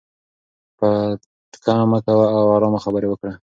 پټکه مه کوه او په ارامه خبرې وکړه.